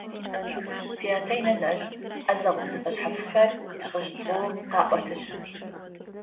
Сятэ инэнэжъ ӏэзэгъу зэфэшъхьафхэр ышӏэщтыгъэу къаӏотэжьы.